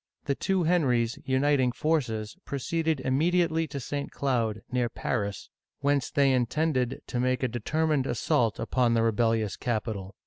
The two Henrys, uniting forces, proceeded immediately to St. Cloud, near Paris, whence they intended to make a determined assault upon the rebellious capital.